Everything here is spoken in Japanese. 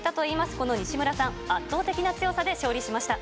この西村さん、圧倒的な強さで勝利しました。